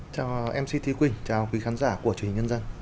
chào mc thí quỳnh chào quý khán giả của chủ hình nhân dân